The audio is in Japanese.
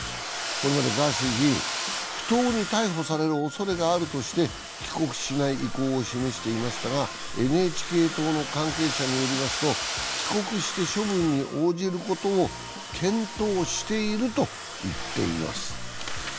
これまでガーシー議員、不当に逮捕されるおそれがあるとして帰国しない意向を示していましたがＮＨＫ党の関係者によりますと、帰国して処分に応じることを検討していると言っています。